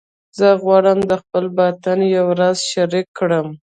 زه غواړم د خپل باطن یو راز شریک کړم